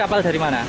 kapal dari mana